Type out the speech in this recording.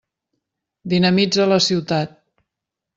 Dinamitza la ciutat.